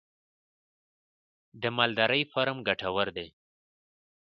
د مالدارۍ فارم ګټور دی؟